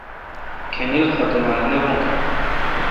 کھانیل ختم آت نہ بھون۔